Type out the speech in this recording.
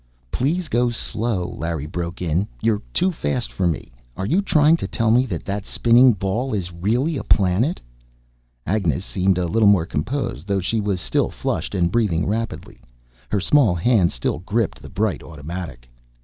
"Please go slow!" Larry broke in. "You're too fast for me. Are you trying to tell me that that spinning ball is really a planet?" Agnes seemed a little more composed, though she was still flushed and breathing rapidly. Her small hand still gripped the bright automatic.